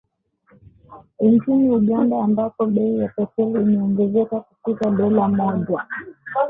Nchini Uganda ambapo bei ya petroli imeongezeka kufikia dola moja